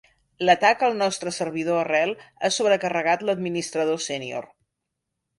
L'atac al nostre servidor arrel ha sobrecarregat l'administrador sènior.